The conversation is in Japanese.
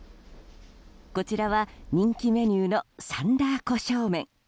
こちらは人気メニューのサンラーこしょう麺。